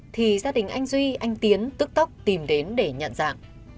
thì gia đình anh duy anh tiến tức tốc tìm đến để nhận dạng